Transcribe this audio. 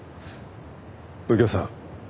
右京さん